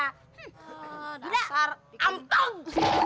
hmm dasar ampung